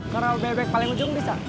kalau bebek paling ujung bisa